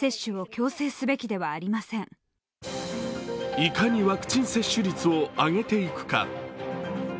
いかにワクチン接種率を上げていくか。